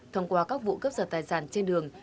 thông qua các vụ cướp giật tài sản trên đường